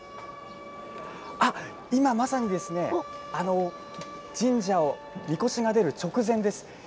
今、まさに神社をみこしが出る直前です。